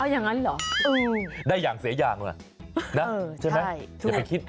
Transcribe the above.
อย่างนั้นเหรอได้อย่างเสียอย่างล่ะนะใช่ไหมอย่าไปคิด